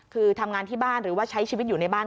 คือทำงานที่บ้านหรือว่าใช้ชีวิตอยู่ในบ้าน